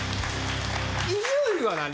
伊集院は何？